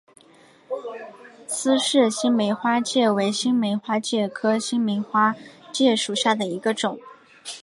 斯氏新梅花介为新梅花介科新梅花介属下的一个种。